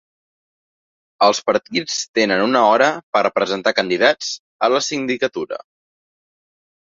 Els partits tenen una hora per a presentar candidats a la sindicatura.